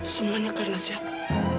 semuanya karena siapa